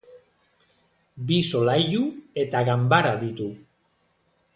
Bi solairu eta ganbara ditu.